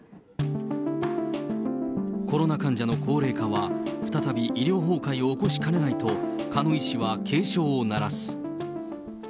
コロナ患者の高齢化は、再び医療崩壊を起こしかねないと、鹿野医師は警鐘を鳴らす。